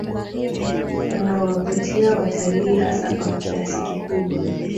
Wanawavutia watalii hasa kwa kiasi kikubwa